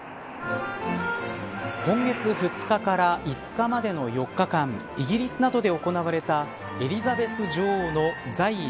今月２日から５日までの４日間イギリスなどで行われたエリザベス女王の在位